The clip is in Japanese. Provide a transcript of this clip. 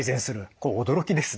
これ驚きですね。